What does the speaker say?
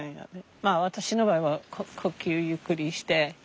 まあ私の場合は呼吸ゆっくりして。